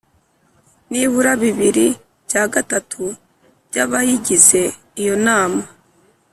nibura bibiri bya gatatu by abayigize Iyo nama